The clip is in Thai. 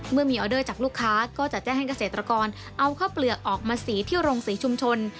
เมื่อมีออเดอร์จากลูกค้าก็จะแจ้งให้เกษตรกรเอาข้าวเปลือกออกมาสีที่โรงศรีชุมชน